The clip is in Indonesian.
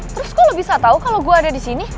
terus kok lo bisa tau kalo gue ada disini